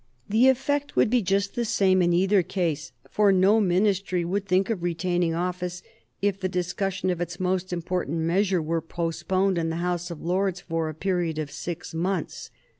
The effect would be just the same in either case, for no Ministry would think of retaining office if the discussion of its most important measure were postponed in the House of Lords for a period of six months.